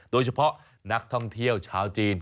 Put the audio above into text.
โดยเฉพาะนักท่องเที่ยวชาวจีน